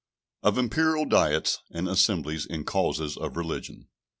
Of Imperial Diets and Assemblies in Causes of Religion.